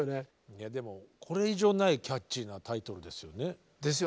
いやでもこれ以上ないキャッチーなタイトルですよね。